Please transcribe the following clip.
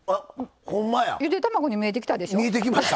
ゆで卵に見えてきたでしょ。